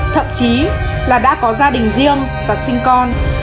thậm chí là đã có gia đình riêng và sinh con